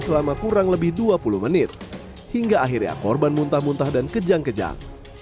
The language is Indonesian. selama kurang lebih dua puluh menit hingga akhirnya korban muntah muntah dan kejang kejang